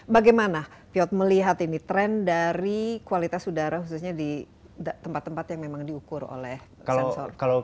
bagaimana piot melihat ini tren dari kualitas udara khususnya di tempat tempat yang memang diukur oleh sensor